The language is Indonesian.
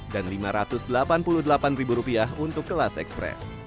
dan rp lima ratus delapan puluh delapan untuk kelas ekspres